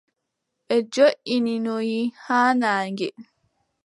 Ɓe joʼinoyi haa naange.